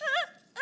あ！